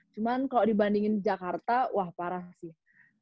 cuman kalau dibandingin jakarta wah parah sih